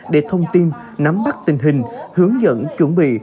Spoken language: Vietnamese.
để thông tin nắm bắt tình hình hướng dẫn chuẩn bị